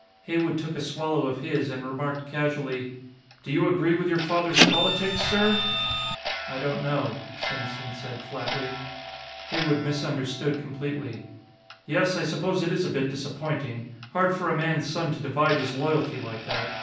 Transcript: Heywood took a swallow of his, and remarked casually: "Do you agree with your father's politics, sir?" "I don't know," Senesin said flatly. Heywood misunderstood completely. "Yes, I suppose it is a bit disappointing. Hard for a man's son to divide his loyalty like that.